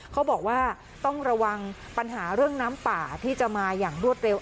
เขาบอกว่าต้องระวังปัญหาเรื่องน้ำป่าที่จะมาอย่างรวดเร็ว